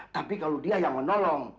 tapi kalau dia yang menolong